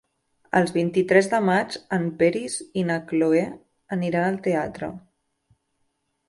El vint-i-tres de maig en Peris i na Cloè aniran al teatre.